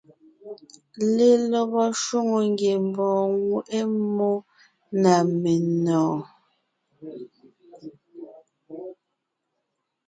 Lelɔgɔ shwòŋo ngiembɔɔn ŋweʼe mmó na menɔ̀ɔn.